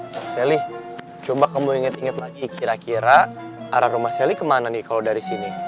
mas sally coba kamu inget inget lagi kira kira arah rumah sally kemana nih kalau dari sini